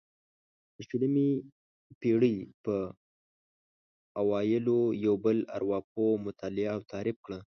د شلمې پېړۍ په اوایلو یو بل ارواپوه مطالعه او تعریف کړه.